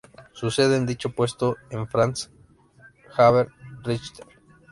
Sucede en dicho puesto a Franz Xaver Richter.